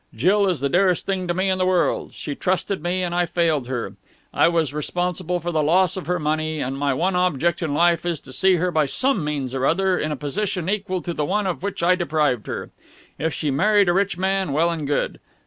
Jill is the dearest thing to me in the world. She trusted me, and I failed her. I was responsible for the loss of her money, and my one object in life is to see her by some means or other in a position equal to the one of which I deprived her. If she married a rich man, well and good.